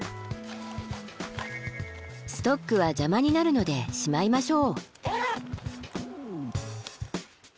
ストックは邪魔になるのでしまいましょう。